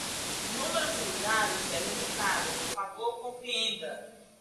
O número de lugares é limitado, por favor compreenda